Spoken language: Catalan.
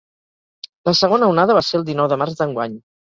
La segona onada va ser el dinou de març d’enguany.